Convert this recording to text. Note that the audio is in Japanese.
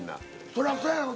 そりゃそやろ。